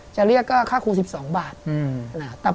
จะเรียกก็ค่าครู๑๒บาท